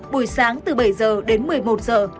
buổi sáng từ bảy giờ đến một mươi một giờ